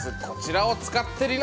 こちらを使って。